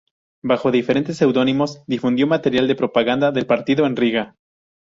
Bajo diferentes pseudónimos difundió material de propaganda del partido en Riga.